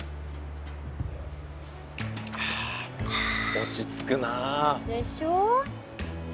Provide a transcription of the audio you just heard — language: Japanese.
落ち着くなあ。でしょ。